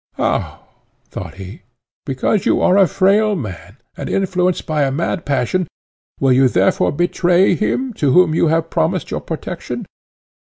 "How!" thought he "because you are a frail man, and influenced by a mad passion, will you therefore betray him, to whom you have promised your protection?